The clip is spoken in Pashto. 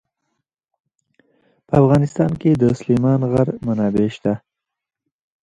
په افغانستان کې د سلیمان غر منابع شته.